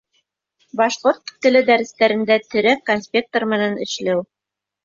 Башҡорт теле дәрестәрендә терәк конспекттар менән эшләү